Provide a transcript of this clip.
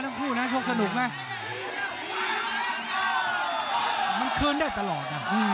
มันขึ้นได้ตลอด